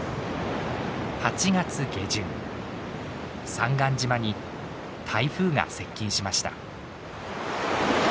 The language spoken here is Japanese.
三貫島に台風が接近しました。